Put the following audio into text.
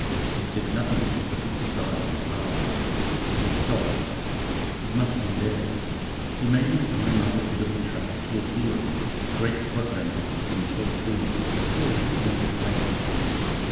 He said nothing, but looked aside and hard. Then he stopped. "It must be there." He made me climb up a bit of a track to a field, a great quadrangle within tall trees, and full of the scent of hay.